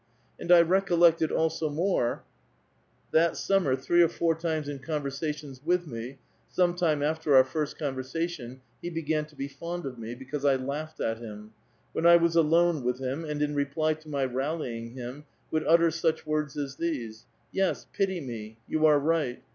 And I recollected also more, that summer, three or four times in conversations with me (some time after on*, first (K>nversation he began to be fond of me, because I laughed at him), when I was alone with him, and in reply to my rally ing him, would utter such words as these :" Yes, pity me ; you are right.